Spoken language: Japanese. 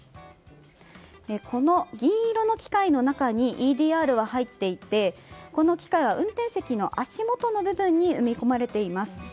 この銀色の機械の中にＥＤＲは入っていてこの機械は運転席の足元の部分に埋め込まれています。